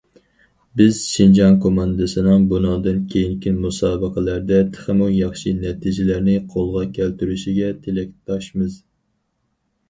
بىز شىنجاڭ كوماندىسىنىڭ بۇنىڭدىن كېيىنكى مۇسابىقىلەردە تېخىمۇ ياخشى نەتىجىلەرنى قولغا كەلتۈرۈشىگە تىلەكداشمىز.